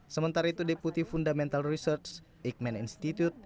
sementara itu deputi fundamental research eijkman institute